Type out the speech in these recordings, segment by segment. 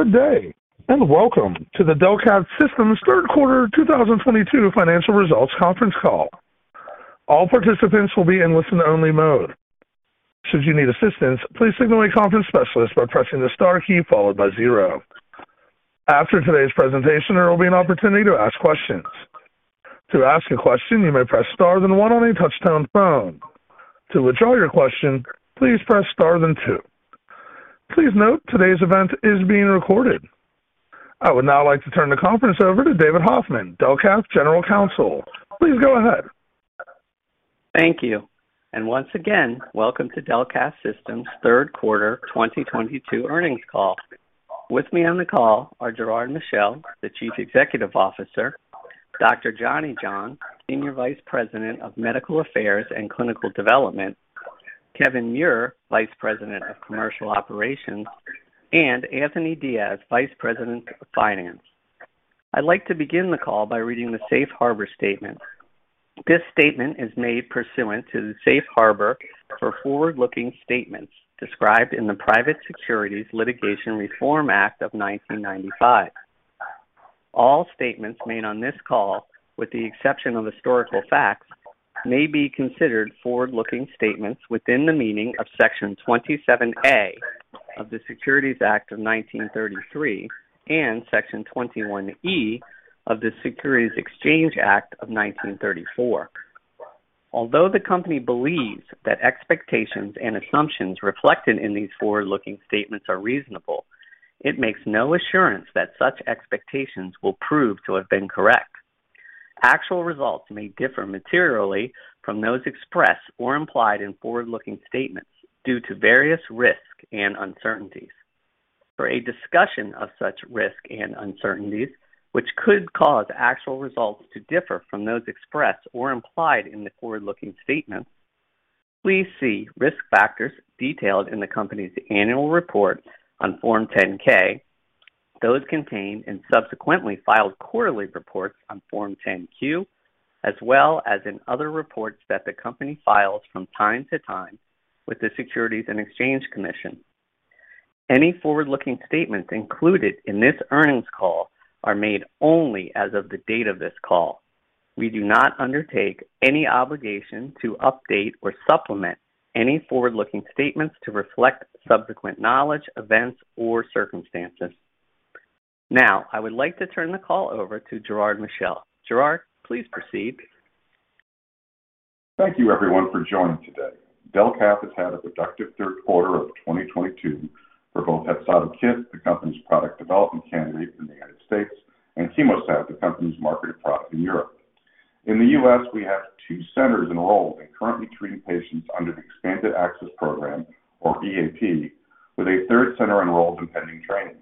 Good day, and welcome to the Delcath Systems third quarter 2022 financial results conference call. All participants will be in listen only mode. Should you need assistance, please signal a conference specialist by pressing the star key followed by 0. After today's presentation, there will be an opportunity to ask questions. To ask a question, you may press star then 1 on a touch-tone phone. To withdraw your question, please press star then 2. Please note, today's event is being recorded. I would now like to turn the conference over to David Hoffman, Delcath General Counsel. Please go ahead. Thank you. Once again, welcome to Delcath Systems' third quarter 2022 earnings call. With me on the call are Gerard Michel, the Chief Executive Officer, Dr. Johnny John, Senior Vice President of Medical Affairs and Clinical Development, Kevin Muir, Vice President of Commercial Operations, and Anthony Dias, Vice President of Finance. I'd like to begin the call by reading the Safe Harbor statement. This statement is made pursuant to the Safe Harbor for forward-looking statements described in the Private Securities Litigation Reform Act of 1995. All statements made on this call, with the exception of historical facts, may be considered forward-looking statements within the meaning of Section 27A of the Securities Act of 1933 and Section 21E of the Securities Exchange Act of 1934. Although the company believes that expectations and assumptions reflected in these forward-looking statements are reasonable, it makes no assurance that such expectations will prove to have been correct. Actual results may differ materially from those expressed or implied in forward-looking statements due to various risks and uncertainties. For a discussion of such risks and uncertainties, which could cause actual results to differ from those expressed or implied in the forward-looking statements, please see risk factors detailed in the company's annual report on Form 10-K, those contained in subsequently filed quarterly reports on Form 10-Q, as well as in other reports that the company files from time to time with the Securities and Exchange Commission. Any forward-looking statements included in this earnings call are made only as of the date of this call. We do not undertake any obligation to update or supplement any forward-looking statements to reflect subsequent knowledge, events, or circumstances. Now, I would like to turn the call over to Gerard Michel. Gerard, please proceed. Thank you everyone for joining today. Delcath has had a productive third quarter of 2022 for both HEPZATO kits, the company's product development candidate in the U.S., and CHEMOSAT, the company's marketed product in Europe. In the U.S., we have two centers enrolled and currently treating patients under the expanded access program, or EAP, with a third center enrolled and pending training.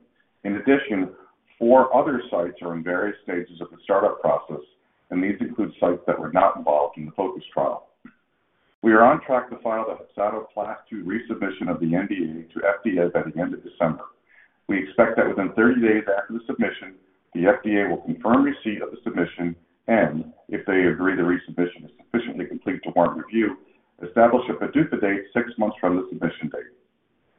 In addition, four other sites are in various stages of the startup process, and these include sites that were not involved in the FOCUS trial. We are on track to file the HEPZATO Class 2 resubmission of the NDA to FDA by the end of December. We expect that within 30 days after the submission, the FDA will confirm receipt of the submission and, if they agree the resubmission is sufficiently complete to warrant review, establish a PDUFA date six months from the submission date.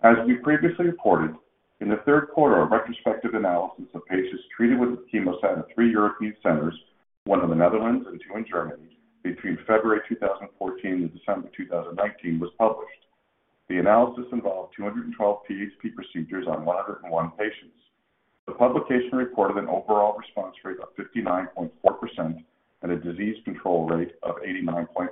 As we previously reported, in the third quarter, a retrospective analysis of patients treated with CHEMOSAT in three European centers, one in the Netherlands and two in Germany, between February 2014 and December 2019 was published. The analysis involved 212 PHP procedures on 101 patients. The publication reported an overall response rate of 59.4% and a disease control rate of 89.1%.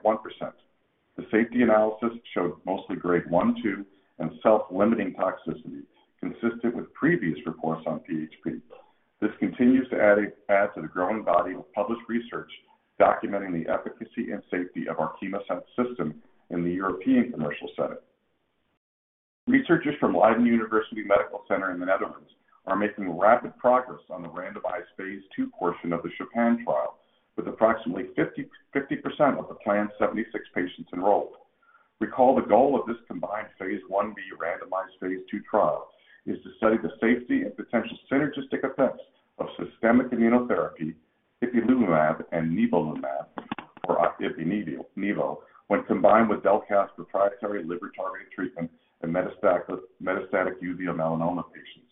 The safety analysis showed mostly grade 1, 2, and self-limiting toxicities consistent with previous reports on PHP. This continues to add to the growing body of published research documenting the efficacy and safety of our CHEMOSAT system in the European commercial setting. Researchers from Leiden University Medical Center in the Netherlands are making rapid progress on the randomized phase II portion of the CHOPIN trial, with approximately 50% of the planned 76 patients enrolled. Recall the goal of this combined phase I-B randomized phase II trial is to study the safety and potential synergistic effects of systemic immunotherapy ipilimumab and nivolumab, or Ipi/Nivo, when combined with Delcath's proprietary liver-targeted treatment in metastatic uveal melanoma patients.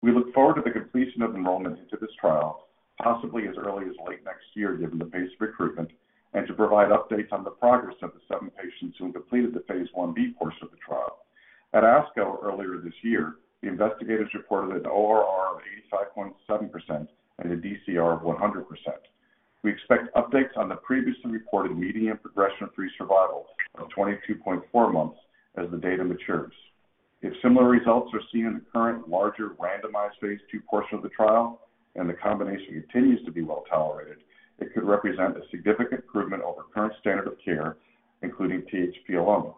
We look forward to the completion of enrollment into this trial, possibly as early as late next year, given the pace of recruitment, and to provide updates on the progress of the seven patients who completed the phase I-B course of the trial. At ASCO earlier this year, the investigators reported an ORR of 85.7% and a DCR of 100%. We expect updates on the previously reported median progression-free survival of 22.4 months as the data matures. If similar results are seen in the current larger randomized phase II portion of the trial and the combination continues to be well-tolerated, it could represent a significant improvement over current standard of care, including PHP alone.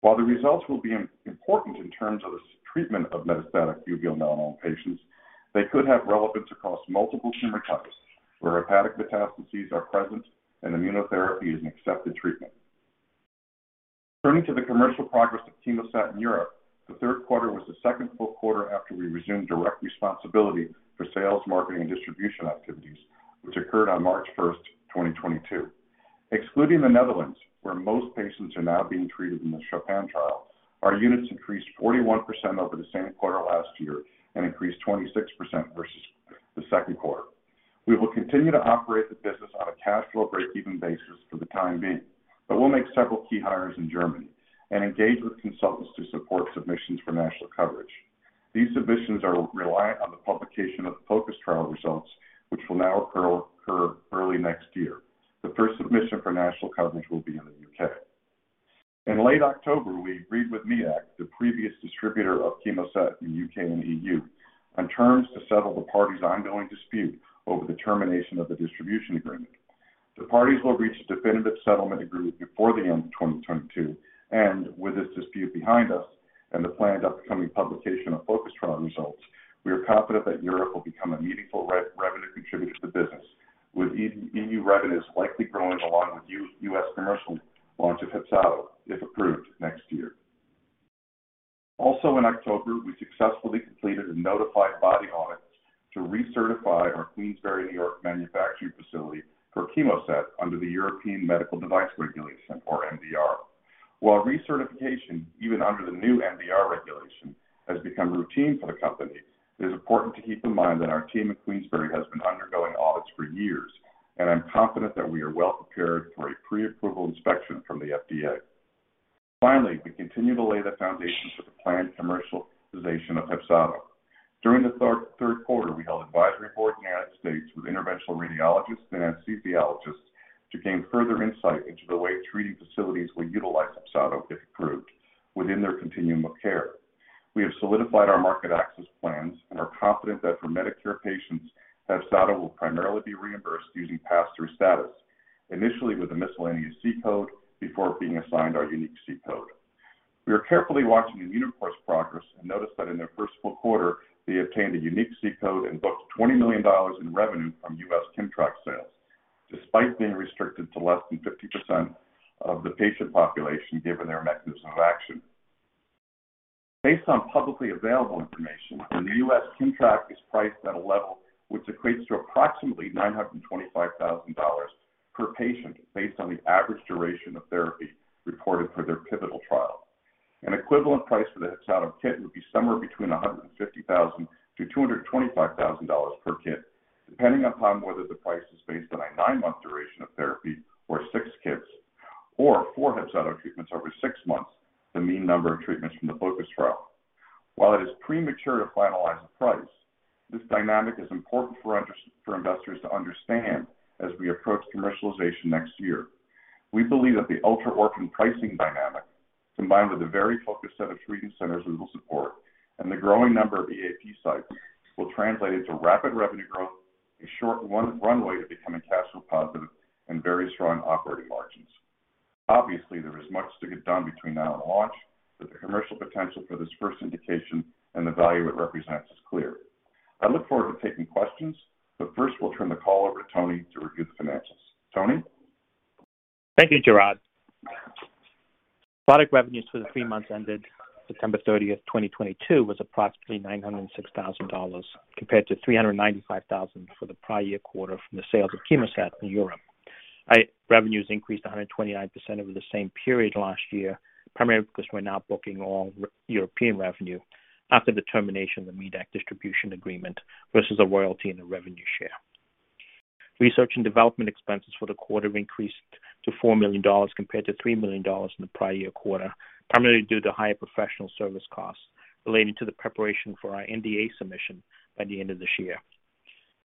While the results will be important in terms of the treatment of metastatic uveal melanoma patients, they could have relevance across multiple tumor types where hepatic metastases are present and immunotherapy is an accepted treatment. Turning to the commercial progress of CHEMOSAT in Europe, the third quarter was the second full quarter after we resumed direct responsibility for sales, marketing, and distribution activities, which occurred on March 1st, 2022. Excluding the Netherlands, where most patients are now being treated in the CHOPIN trial, our units increased 41% over the same quarter last year and increased 26% versus the second quarter. We will continue to operate the business on a cash flow breakeven basis for the time being. We'll make several key hires in Germany and engage with consultants to support submissions for national coverage. These submissions are reliant on the publication of the FOCUS trial results, which will now occur early next year. The first submission for national coverage will be in the U.K. In late October, we agreed with Medac, the previous distributor of CHEMOSAT in U.K. and EU, on terms to settle the parties' ongoing dispute over the termination of the distribution agreement. The parties will reach a definitive settlement agreement before the end of 2022. With this dispute behind us and the planned upcoming publication of FOCUS trial results, we are confident that Europe will become a meaningful revenue contributor to the business, with EU revenues likely growing along with U.S. commercial launch of HEPZATO, if approved next year. Also in October, we successfully completed a notified body audit to recertify our Queensbury, New York manufacturing facility for CHEMOSAT under the European Medical Device Regulation, or MDR. While recertification, even under the new MDR regulation, has become routine for the company, it is important to keep in mind that our team at Queensbury has been undergoing audits for years. I'm confident that we are well prepared for a pre-approval inspection from the FDA. Finally, we continue to lay the foundation for the planned commercialization of HEPZATO. During the third quarter, we held advisory board in the United States with interventional radiologists and anesthesiologists to gain further insight into the way treating facilities will utilize HEPZATO, if approved, within their continuum of care. We have solidified our market access plans and are confident that for Medicare patients, HEPZATO will primarily be reimbursed using pass-through status, initially with a miscellaneous C-code before being assigned our unique C-code. We are carefully watching Immunocore's progress and noticed that in their first full quarter, they obtained a unique C-code and booked $20 million in revenue from U.S. KIMMTRAK sales, despite being restricted to less than 50% of the patient population given their mechanism of action. Based on publicly available information, when the U.S. KIMMTRAK is priced at a level which equates to approximately $925,000 per patient, based on the average duration of therapy reported for their pivotal trial. An equivalent price for the HEPZATO KIT would be somewhere between $150,000-$225,000 per kit, depending upon whether the price is based on a nine-month duration of therapy or 6 kits, or four HEPZATO treatments over 6 months, the mean number of treatments from the FOCUS trial. While it is premature to finalize the price, this dynamic is important for investors to understand as we approach commercialization next year. We believe that the ultra-orphan pricing dynamic, combined with a very focused set of treatment centers we will support, and the growing number of EAP sites will translate into rapid revenue growth, a short runway to becoming cash flow positive, and very strong operating margins. Obviously, there is much to get done between now and launch. The commercial potential for this first indication and the value it represents is clear. I look forward to taking questions, but first we'll turn the call over to Tony to review the financials. Tony? Thank you, Gerard. Product revenues for the three months ended September 30th, 2022, was approximately $906,000 compared to $395,000 for the prior year quarter from the sales of CHEMOSAT in Europe. Revenues increased 129% over the same period last year, primarily because we're now booking all European revenue after the termination of the Medact distribution agreement versus a royalty and a revenue share. Research and development expenses for the quarter increased to $4 million compared to $3 million in the prior year quarter, primarily due to higher professional service costs relating to the preparation for our NDA submission by the end of this year.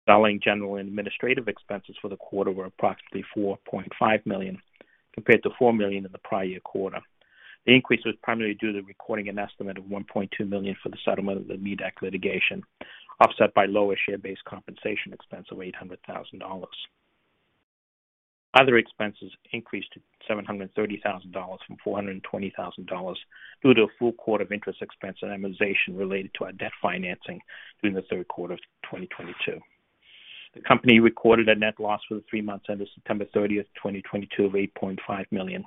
Selling, general, and administrative expenses for the quarter were approximately $4.5 million, compared to $4 million in the prior year quarter. The increase was primarily due to recording an estimate of $1.2 million for the settlement of the Medact litigation, offset by lower share-based compensation expense of $800,000. Other expenses increased to $730,000 from $420,000 due to a full quarter of interest expense and amortization related to our debt financing during the third quarter of 2022. The company recorded a net loss for the three months ended September 30th, 2022 of $8.5 million,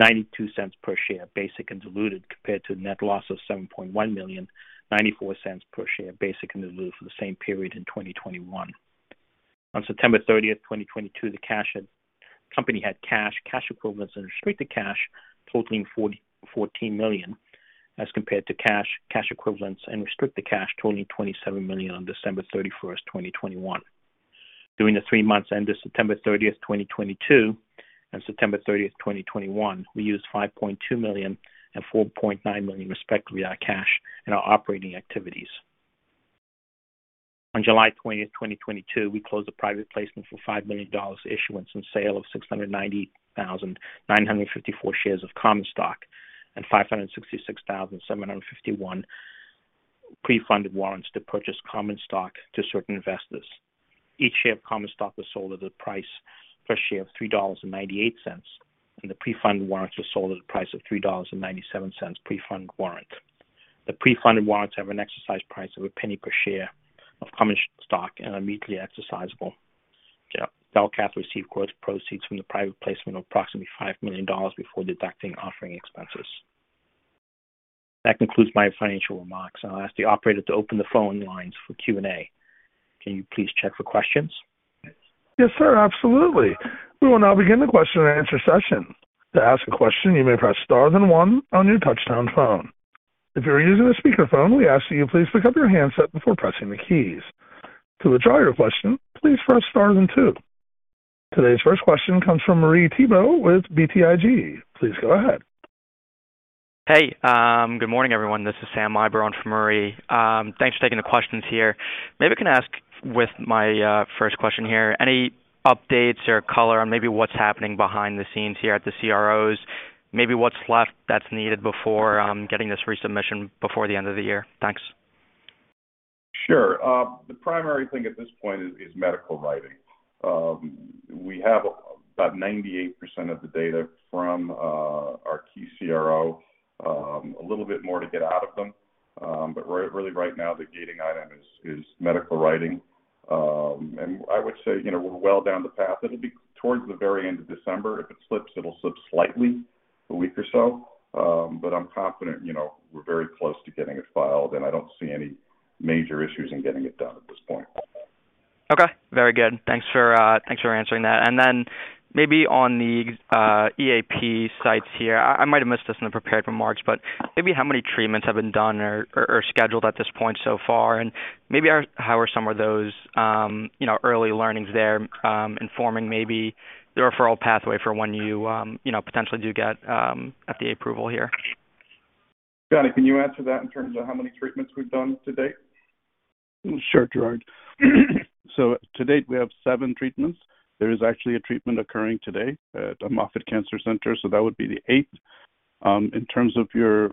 $0.92 per share basic and diluted, compared to a net loss of $7.1 million, $0.94 per share basic and diluted for the same period in 2021. On September 30th, 2022, the company had cash equivalents, and restricted cash totaling $14 million as compared to cash equivalents, and restricted cash totaling $27 million on December 31st, 2021. During the three months ended September 30th, 2022 and September 30th, 2021, we used $5.2 million and $4.9 million respectively, our cash and our operating activities. On July 20th, 2022, we closed a private placement for $5 million issuance and sale of 690,954 shares of common stock and 566,751 pre-funded warrants to purchase common stock to certain investors. Each share of common stock was sold at a price per share of $3.98, and the pre-funded warrants were sold at a price of $3.97 pre-funded warrant. The pre-funded warrants have an exercise price of $0.01 per share of common stock and are immediately exercisable. Delcath received gross proceeds from the private placement of approximately $5 million before deducting offering expenses. That concludes my financial remarks. I'll ask the operator to open the phone lines for Q&A. Can you please check for questions? Yes, sir. Absolutely. We will now begin the question and answer session. To ask a question, you may press star then one on your touchtone phone. If you're using a speakerphone, we ask that you please pick up your handset before pressing the keys. To withdraw your question, please press star then two. Today's first question comes from Marie Thibault with BTIG. Please go ahead. Hey, good morning, everyone. This is Sam Eiber for Marie. Thanks for taking the questions here. Maybe I can ask with my first question here, any updates or color on maybe what's happening behind the scenes here at the CROs, maybe what's left that's needed before getting this resubmission before the end of the year? Thanks. Sure. The primary thing at this point is medical writing. We have about 98% of the data from our key CRO, a little bit more to get out of them. Really right now, the gating item is medical writing. I would say we're well down the path. It'll be towards the very end of December. If it slips, it'll slip slightly, a week or so. I'm confident we're very close to getting it filed, and I don't see any major issues in getting it done at this point. Okay. Very good. Thanks for answering that. Maybe on the EAP sites here, I might have missed this in the prepared remarks, but maybe how many treatments have been done or are scheduled at this point so far? Maybe how are some of those early learnings there informing maybe the referral pathway for when you potentially do get FDA approval here? Johnny, can you answer that in terms of how many treatments we've done to date? Sure, Gerard. To date, we have seven treatments. There is actually a treatment occurring today at Moffitt Cancer Center, so that would be the eighth. In terms of your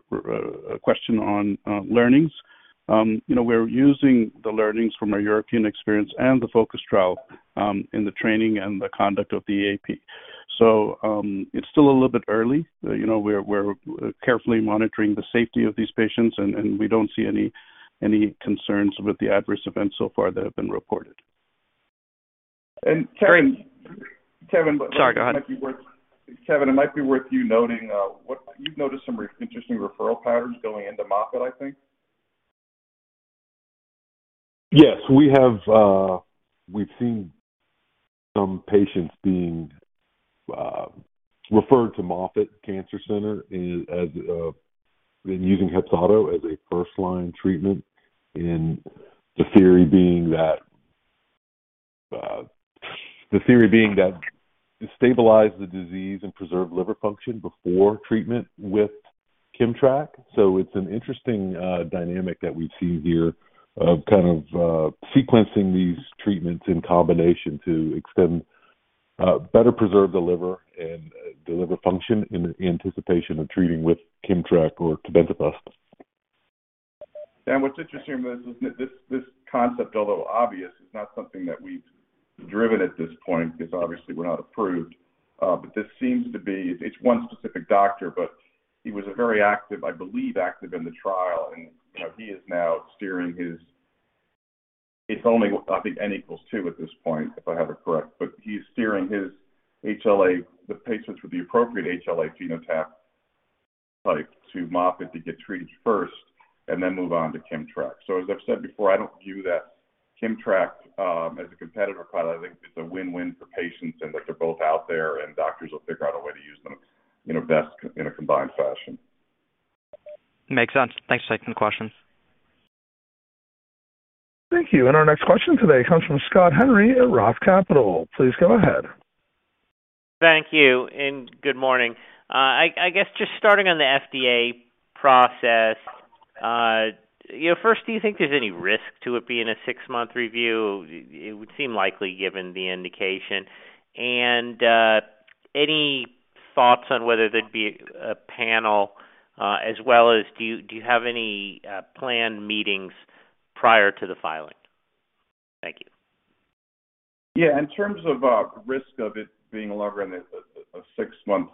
question on learnings, we're using the learnings from our European experience and the FOCUS trial in the training and the conduct of the EAP. It's still a little bit early. We're carefully monitoring the safety of these patients, we don't see any concerns with the adverse events so far that have been reported. Kevin- Sorry, go ahead Kevin, it might be worth you noting, you've noticed some interesting referral patterns going into Moffitt, I think. Yes. We've seen some patients being referred to Moffitt Cancer Center and using HEPZATO as a first-line treatment, the theory being that stabilize the disease and preserve liver function before treatment with KIMMTRAK. It's an interesting dynamic that we've seen here of kind of sequencing these treatments in combination to better preserve the liver and liver function in anticipation of treating with KIMMTRAK or tebentafusp. What's interesting, this concept, although obvious, is not something that we've driven at this point because obviously we're not approved. This seems to be, it's one specific doctor, but he was a very active, I believe, active in the trial, and he is now steering his. It's only, I think N equals two at this point, if I have it correct. He's steering his HLA, the patients with the appropriate HLA genotype to Moffitt to get treated first and then move on to KIMMTRAK. As I've said before, I don't view that KIMMTRAK as a competitor product. I think it's a win-win for patients in that they're both out there and doctors will figure out a way to use them in a combined fashion. Makes sense. Thanks. Taking the questions. Thank you. Our next question today comes from Scott Henry at ROTH Capital Partners. Please go ahead. Thank you, and good morning. I guess just starting on the FDA process. First, do you think there's any risk to it being a six-month review? It would seem likely, given the indication. Any thoughts on whether there'd be a panel, as well as do you have any planned meetings prior to the filing? Thank you. Yeah. In terms of risk of it being a six-month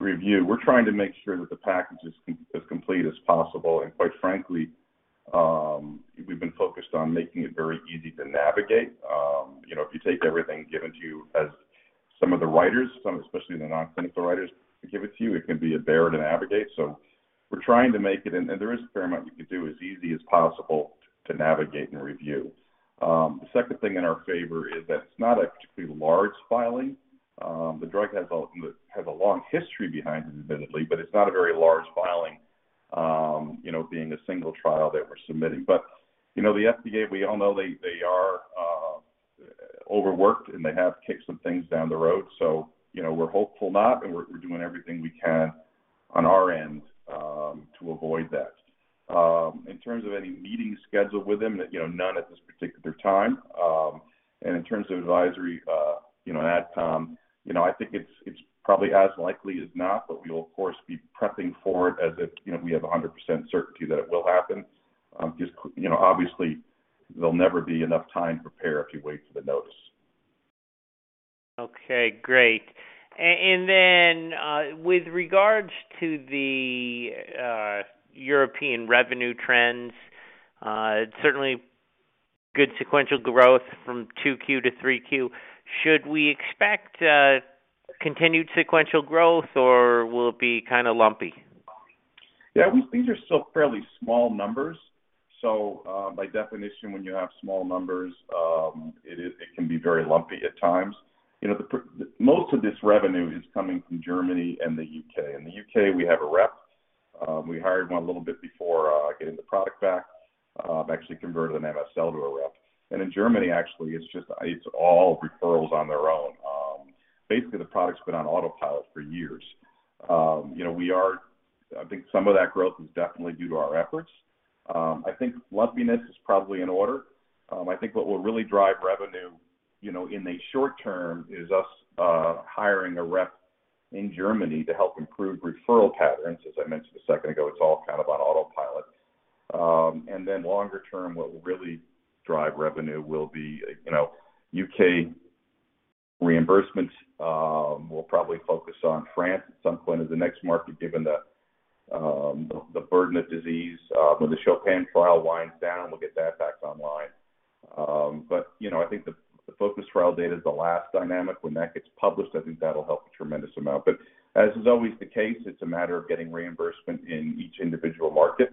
review, we're trying to make sure that the package is as complete as possible. Quite frankly, we've been focused on making it very easy to navigate. If you take everything given to you as some of the writers, some, especially the non-clinical writers, give it to you, it can be a bear to navigate. We're trying to make it, and there is a fair amount we could do, as easy as possible to navigate and review. The second thing in our favor is that it's not a particularly large filing. The drug has a long history behind it, admittedly, but it's not a very large filing, being a single trial that we're submitting. The FDA, we all know they are overworked, and they have kicked some things down the road, so we're hopeful not, and we're doing everything we can on our end to avoid that. In terms of any meetings scheduled with them, none at this particular time. In terms of advisory, I think it's probably as likely as not, but we will, of course, be prepping for it as if we have 100% certainty that it will happen. Because obviously, there'll never be enough time to prepare if you wait for the notice. Okay, great. With regards to the European revenue trends, it certainly Good sequential growth from 2Q to 3Q. Should we expect continued sequential growth, or will it be kind of lumpy? These are still fairly small numbers, so by definition, when you have small numbers, it can be very lumpy at times. Most of this revenue is coming from Germany and the U.K. In the U.K., we have a rep. We hired one a little bit before getting the product back. Actually converted an MSL to a rep. In Germany, actually, it's all referrals on their own. Basically, the product's been on autopilot for years. I think some of that growth is definitely due to our efforts. I think lumpiness is probably in order. I think what will really drive revenue in the short term is us hiring a rep in Germany to help improve referral patterns. As I mentioned a second ago, it's all on autopilot. Longer term, what will really drive revenue will be U.K. reimbursements. We'll probably focus on France at some point as the next market, given the burden of disease. When the CHOPIN trial winds down, we'll get that back online. I think the FOCUS trial data is the last dynamic. When that gets published, I think that'll help a tremendous amount. As is always the case, it's a matter of getting reimbursement in each individual market.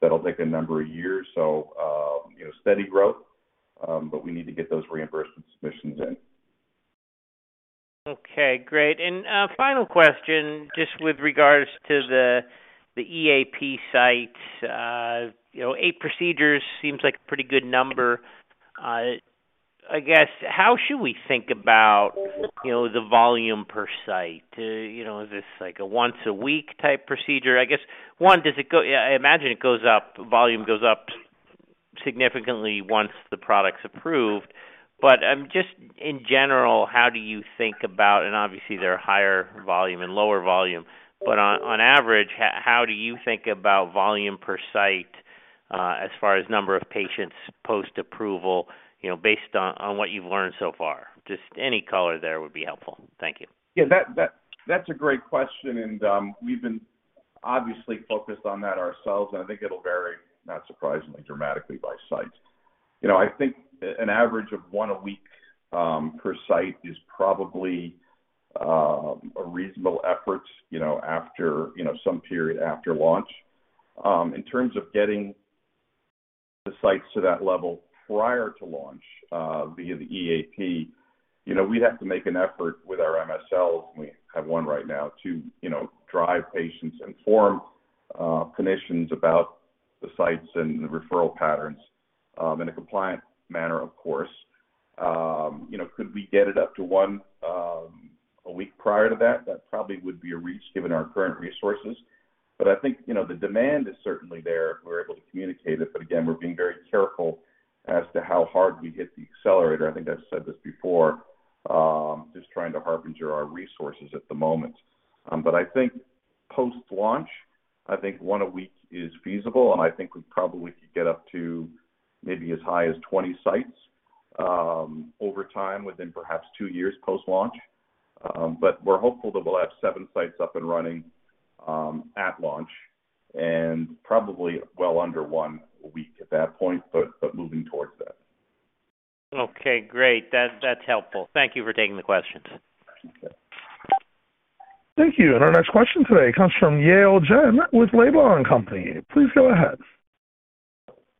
That'll take a number of years. Steady growth, but we need to get those reimbursement submissions in. Okay, great. Final question, just with regards to the EAP site. Eight procedures seems like a pretty good number. I guess, how should we think about the volume per site? Is this like a once-a-week type procedure? I guess, one. I imagine volume goes up significantly once the product's approved. Just in general, how do you think about, and obviously there are higher volume and lower volume, but on average, how do you think about volume per site as far as number of patients post-approval based on what you've learned so far? Just any color there would be helpful. Thank you. That's a great question, and we've been obviously focused on that ourselves, and I think it will vary, not surprisingly, dramatically by site. I think an average of one a week per site is probably a reasonable effort, some period after launch. In terms of getting the sites to that level prior to launch via the EAP, we'd have to make an effort with our MSLs, and we have one right now, to drive patients, inform clinicians about the sites and the referral patterns in a compliant manner, of course. Could we get it up to one a week prior to that? That probably would be a reach given our current resources. I think the demand is certainly there if we're able to communicate it. Again, we're being very careful as to how hard we hit the accelerator. I think I've said this before, just trying to husband our resources at the moment. I think post-launch, I think one a week is feasible, and I think we probably could get up to maybe as high as 20 sites over time, within perhaps two years post-launch. We're hopeful that we'll have seven sites up and running at launch, and probably well under one a week at that point, but moving towards that. Okay, great. That's helpful. Thank you for taking the questions. Okay. Thank you. Our next question today comes from Yale Jen with Laidlaw & Company. Please go ahead.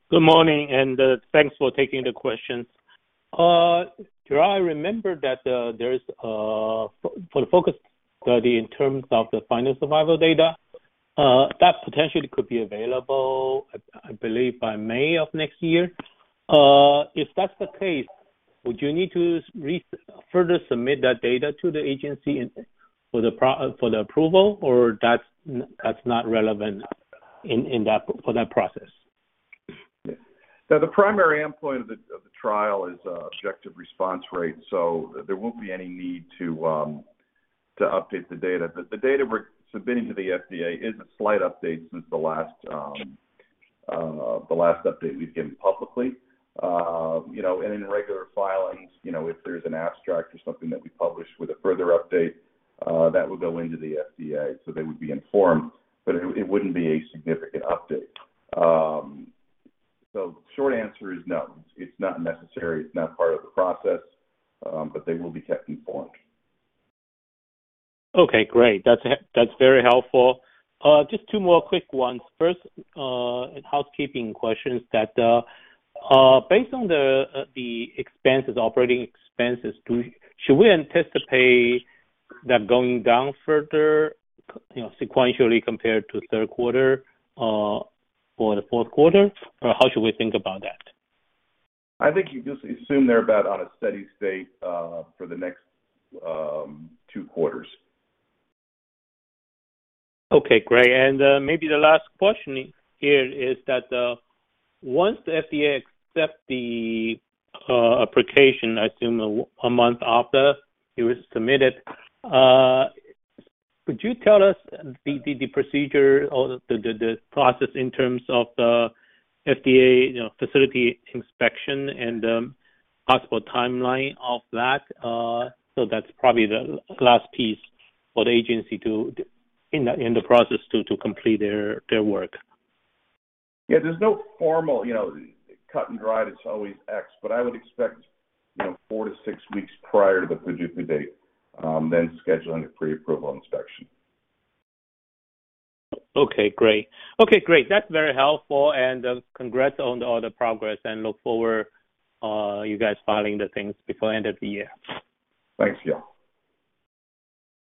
Good morning, thanks for taking the questions. Do I remember that there's, for the FOCUS study in terms of the final survival data, that potentially could be available, I believe, by May of next year? If that's the case, would you need to further submit that data to the agency for the approval, or that's not relevant for that process? The primary endpoint of the trial is objective response rate, so there won't be any need to update the data. The data we're submitting to the FDA is a slight update since the last update we've given publicly. In regular filings, if there's an abstract or something that we publish with a further update, that would go into the FDA, so they would be informed, but it wouldn't be a significant update. Short answer is no. It's not necessary. It's not part of the process, but they will be kept informed. Okay, great. That's very helpful. Just two more quick ones. First, a housekeeping question that based on the operating expenses, should we anticipate that going down further sequentially compared to third quarter for the fourth quarter, or how should we think about that? I think you just assume they're about on a steady state for the next two quarters. Okay, great. Maybe the last question here is that once the FDA accept the application, I assume a month after it was submitted, could you tell us the procedure or the process in terms of the FDA facility inspection and possible timeline of that? That's probably the last piece for the agency in the process to complete their work. There's no formal cut and dry, it's always X. I would expect four to six weeks prior to the PDUFA date, then scheduling a pre-approval inspection. Okay, great. That's very helpful. Congrats on all the progress, and look forward you guys filing the things before end of the year. Thanks, Yale. Thank you.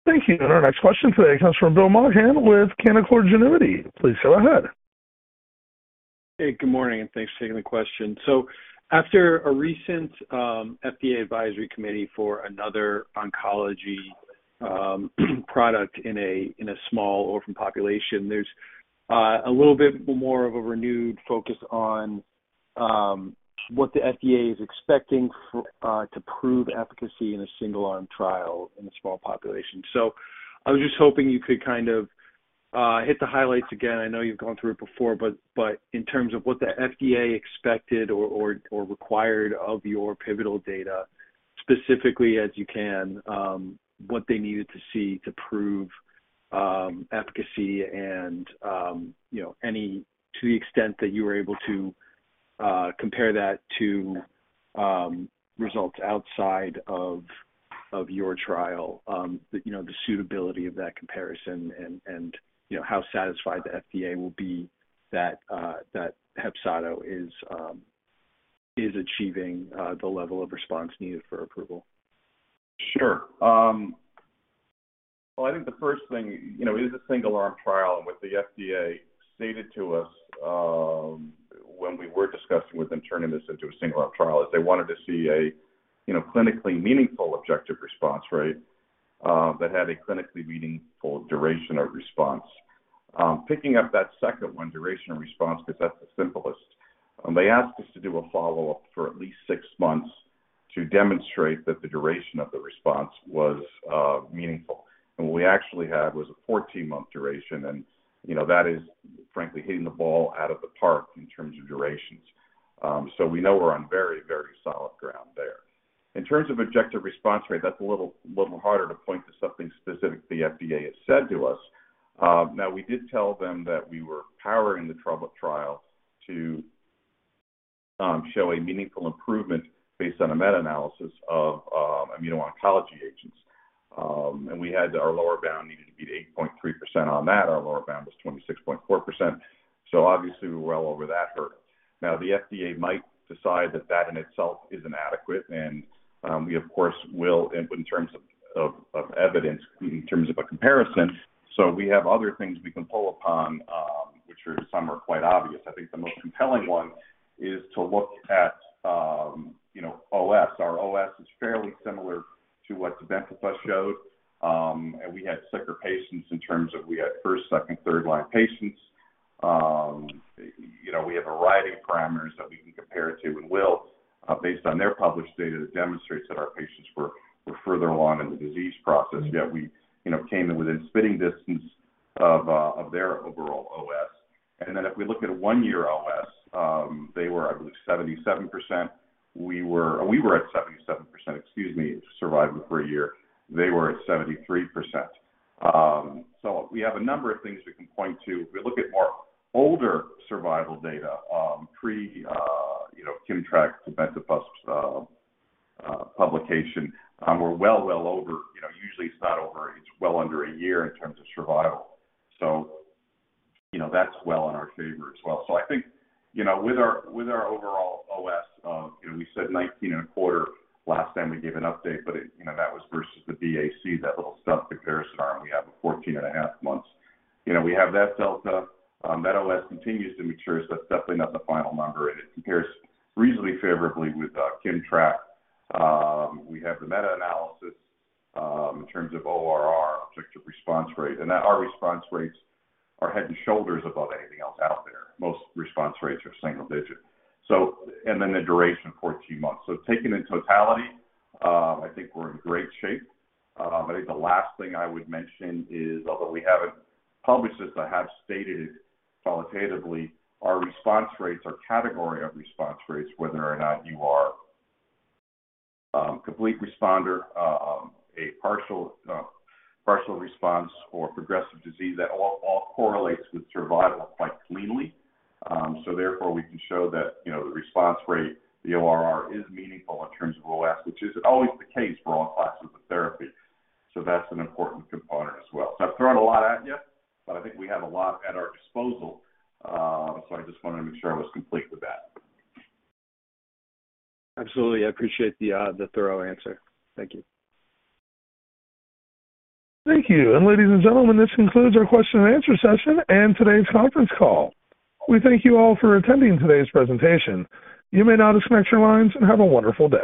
Our next question today comes from William Maughan with Canaccord Genuity. Please go ahead. Hey, good morning, and thanks for taking the question. After a recent FDA advisory committee for another oncology product in a small orphan population, there's a little bit more of a renewed focus on what the FDA is expecting to prove efficacy in a single-arm trial in a small population. I was just hoping you could hit the highlights again. I know you've gone through it before, but in terms of what the FDA expected or required of your pivotal data, specifically as you can, what they needed to see to prove efficacy and to the extent that you were able to compare that to results outside of your trial, the suitability of that comparison and how satisfied the FDA will be that HEPZATO is achieving the level of response needed for approval. Sure. Well, I think the first thing, it is a single-arm trial, what the FDA stated to us when we were discussing with them turning this into a single-arm trial, is they wanted to see a clinically meaningful objective response rate that had a clinically meaningful duration of response. Picking up that second one, duration of response, because that's the simplest. They asked us to do a follow-up for at least 6 months to demonstrate that the duration of the response was meaningful. What we actually had was a 14-month duration, and that is frankly hitting the ball out of the park in terms of durations. We know we're on very solid ground there. In terms of objective response rate, that's a little harder to point to something specific the FDA has said to us. Now, we did tell them that we were powering the trial to show a meaningful improvement based on a meta-analysis of immuno-oncology agents. We had our lower bound needed to beat 8.3% on that. Our lower bound was 26.4%, obviously we're well over that hurdle. Now, the FDA might decide that that in itself is inadequate, we of course will in terms of evidence, in terms of a comparison. We have other things we can pull upon, which are some are quite obvious. I think the most compelling one is to look at OS. Our OS is fairly similar to what tebentafusp showed. We had sicker patients in terms of we had first, second, third-line patients. We have a variety of parameters that we can compare it to and will based on their published data that demonstrates that our patients were further along in the disease process, yet we came within spitting distance of their overall OS. If we look at a one-year OS, they were at 77% survival for a year. They were at 73%. We have a number of things we can point to. If we look at more older survival data, pre-KIMMTRAK tebentafusp publication, we're well over, usually it's well under a year in terms of survival. That's well in our favor as well. I think with our overall OS, we said 19 and a quarter last time we gave an update, but that was versus the BAC, that little sub comparison arm we have of 14 and a half months. We have that delta. That OS continues to mature, that's definitely not the final number, it compares reasonably favorably with KIMMTRAK. We have the meta-analysis in terms of ORR, objective response rate, our response rates are head and shoulders above anything else out there. Most response rates are single digit. The duration of 14 months. Taken in totality, I think we're in great shape. I think the last thing I would mention is, although we haven't published this, I have stated qualitatively our response rates are category of response rates, whether or not you are complete responder, a partial response or progressive disease, that all correlates with survival quite cleanly. Therefore, we can show that the response rate, the ORR is meaningful in terms of OS, which isn't always the case for all classes of therapy. That's an important component as well. I've thrown a lot at you, but I think we have a lot at our disposal. I just wanted to make sure I was complete with that. Absolutely. I appreciate the thorough answer. Thank you. Thank you. Ladies and gentlemen, this concludes our question and answer session and today's conference call. We thank you all for attending today's presentation. You may now disconnect your lines and have a wonderful day.